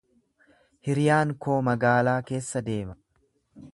Hiriyaan koo magaalaa keessa deema.